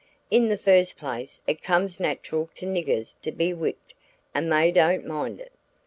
In the first place it comes natural to niggers to be whipped and they don't mind it.